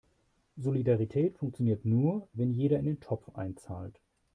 Solidarität funktioniert nur, wenn jeder in den Topf einzahlt.